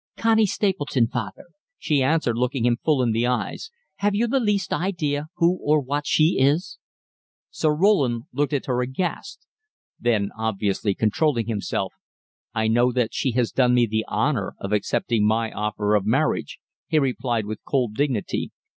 "Connie Stapleton, father," she answered, looking him full in the eyes. "Have you the least idea who and what she is?" Sir Roland gazed at her aghast. Then, obviously controlling himself: "I know that she has done me the honour of accepting my offer of marriage," he replied, with cold dignity.